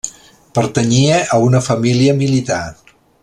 Pertanyia a una família militar.